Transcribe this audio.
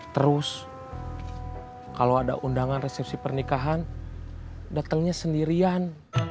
terus kalau ada undangan resepsi pernikahan datangnya sendirian